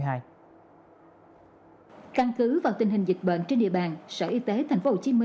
căn cứ vào tình hình dịch bệnh trên địa bàn sở y tế tp hcm